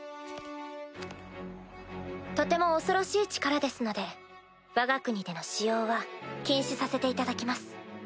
とても恐ろしい力ですのでわが国での使用は禁止させていただきます。